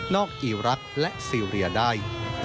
นอกอิรักษ์และซิรีย์ได้